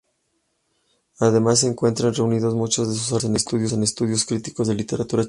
Además, se encuentran reunidos muchos de sus artículos en "Estudios críticos de literatura chilena".